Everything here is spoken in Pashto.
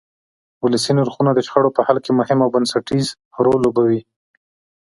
ولسي نرخونه د شخړو په حل کې مهم او بنسټیز رول لوبوي.